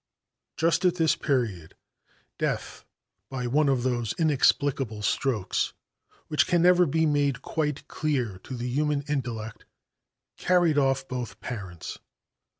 Just at this period death, by one of these inexplicable strokes which can never be made quite clear to the human intellect, carried off both parents.